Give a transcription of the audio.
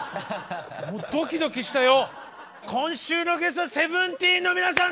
もうドキドキしたよ。